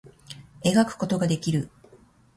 絵描くことができる